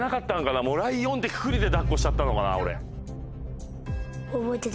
ライオンってくくりで抱っこしちゃったのかな俺。